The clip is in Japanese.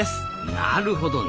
なるほどね。